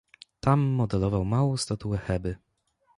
"Tam modelował małą statuę Heby."